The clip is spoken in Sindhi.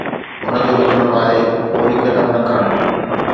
ان جو مطلب آهي فوري قدم نه کڻڻ.